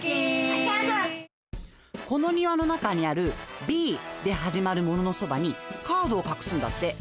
このにわの中にあるＢではじまるもののそばにカードをかくすんだって。